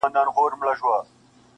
سپیني سپیني مرغلري-